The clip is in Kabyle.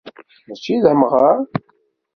Mačči d amɣaṛ